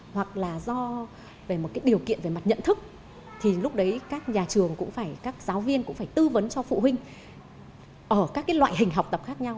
hoặc là do điều kiện về mặt nhận thức thì lúc đấy các nhà trường cũng phải các giáo viên cũng phải tư vấn cho phụ huynh ở các loại hình học tập khác nhau